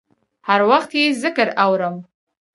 هر وخت یې ذکر اورم